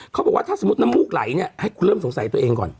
เขาบอกว่าถ้าสมมุติน้ำมูกไหลเนี่ยให้คุณเริ่มสงสัยตัวเองก่อน